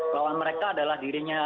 lawan mereka adalah dirinya